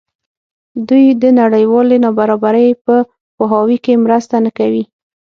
دوی د نړیوالې نابرابرۍ په پوهاوي کې مرسته نه کوي.